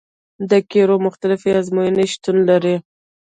د قیرو مختلفې ازموینې شتون لري